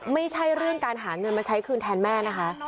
ไม่ใช่เรื่องการหาเงินมาใช้คืนแทนแม่นะคะ